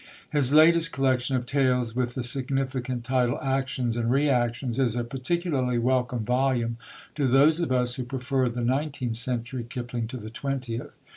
His latest collection of tales, with the significant title, Actions and Reactions, is a particularly welcome volume to those of us who prefer the nineteenth century Kipling to the twentieth.